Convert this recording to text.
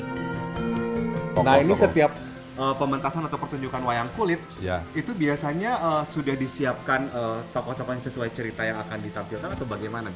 nah ini setiap pementasan atau pertunjukan wayang kulit itu biasanya sudah disiapkan tokoh tokoh yang sesuai cerita yang akan ditampilkan atau bagaimana